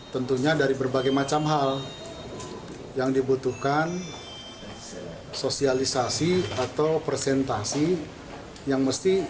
tentunya dari berbagai macam hal yang dibutuhkan sosialisasi atau presentasi yang mesti